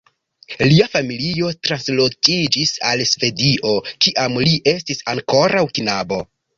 Lia familio transloĝiĝis al Svedio, kiam li estis ankoraŭ knabo.